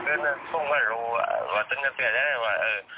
ครึ่งนะพรว่าโหลว่าเจ้ากะเตือนไอ้วะเอ่อ